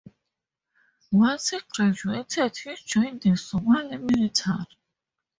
Once he graduated he joined the Somali military.